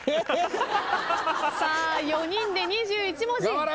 さあ４人で２１文字。